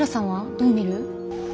どう見る？